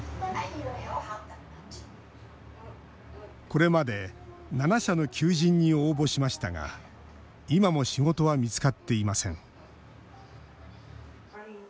これまで７社の求人に応募しましたが今も仕事は見つかっていません。